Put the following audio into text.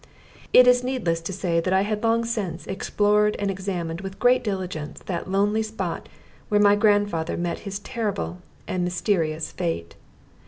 It is needless to say that I had long since explored and examined with great diligence that lonely spot where my grandfather met his terrible and mysterious fate.